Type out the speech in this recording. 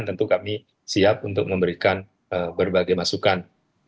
tentu kami siap untuk memberikan berbagai masukan